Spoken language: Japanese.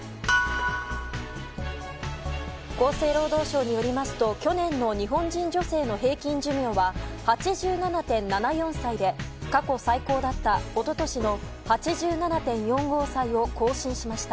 厚生労働省によりますと去年の日本人女性の平均寿命は８７．７４歳で過去最高だった一昨年の８７．４５歳を更新しました。